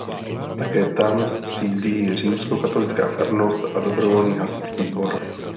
Také tam sídlí římskokatolická farnost a dobrovolný hasičský sbor.